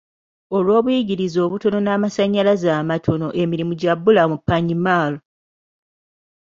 Olw'obuyigirize obutono n'amasannyalaze amatono, emirimu gya bbula mu Panyimur.